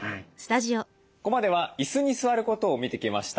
ここまでは椅子に座ることを見てきました。